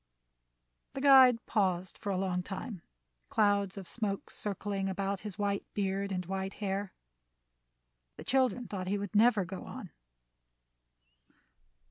The guide paused for a long time, clouds of smoke circling about his white beard and white hair. The children thought he would never go on.